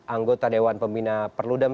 anggota dewan pembina perludam